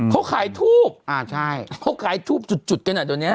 เขาขายทูปเขาขายทูปจุดอ่ะวันนี้